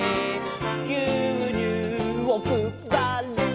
「ぎゅうにゅうをくばる」